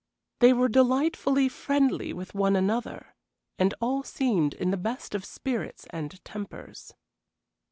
They were delightfully friendly with one another, and all seemed in the best of spirits and tempers.